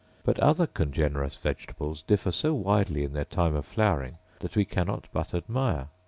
But other congenerous vegetables differ so widely in their time of flowering that we cannot but admire.